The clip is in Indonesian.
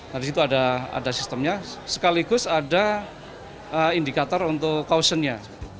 dari situ ada sistemnya sekaligus ada indikator untuk kausennya